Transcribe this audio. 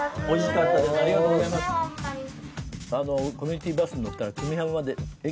おいしかったです。